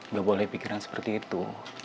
nggak boleh pikiran seperti itu